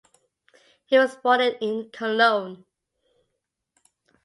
He was born in Cologne.